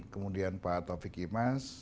kemudian pak taufik imas